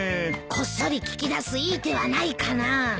こっそり聞きだすいい手はないかな。